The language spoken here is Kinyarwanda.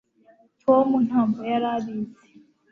tom ntabwo yari abizi